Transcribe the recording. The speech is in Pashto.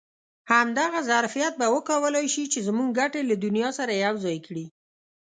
همدغه ظرفیت به وکولای شي چې زموږ ګټې له دنیا سره یو ځای کړي.